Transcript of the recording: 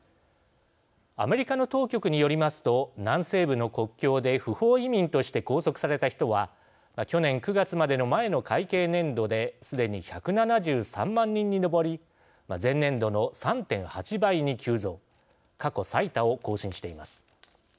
アメリカの当局によりますと南西部の国境で不法移民として拘束された人は去年９月までの前の会計年度ですでに１７３万人に上り前年度の３．８倍に急増過去最多を更新しています。